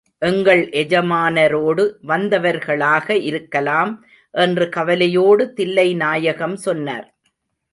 எங்கள் எஜமானரோடு வந்தவர்களாக இருக்கலாம் என்று கவலையோடு தில்லைநாயகம் சொன்னார்.